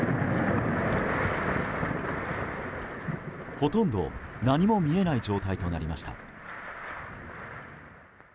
ほとんど何も見えない状態となりました。